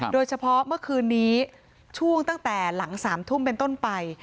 โดยเฉพาะเมื่อคืนนี้ช่วงตั้งแต่หลัง๓ทุ่มเป็นต้นไป